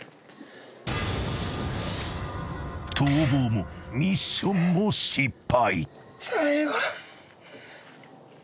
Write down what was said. ［逃亡もミッションも失敗］